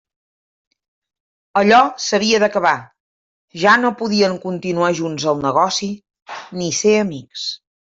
«Allò» s'havia d'acabar: ja no podien continuar junts el negoci ni ser amics.